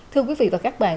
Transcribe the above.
thưa quý vị và các bạn